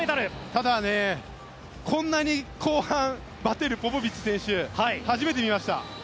ただ、こんなに後半ばてるポポビッチ選手初めて見ました。